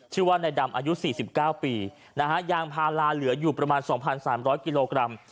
ชื่อว่าในดำอายุสี่สิบเก้าปีนะฮะยางพาราเหลืออยู่ประมาณสองพันสามร้อยกิโลกรัม